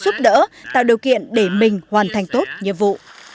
tiếp tục ủng hộ đồng hành giúp đỡ tạo điều kiện để mình hoàn thành tốt nhiệm vụ